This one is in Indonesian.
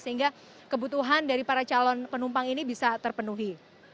sehingga kebutuhan dari para calon penumpang ini bisa terpenuhi